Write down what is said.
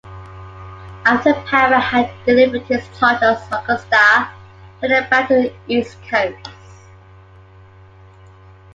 After Parrott had delivered his charges, "Augusta" headed back to the East Coast.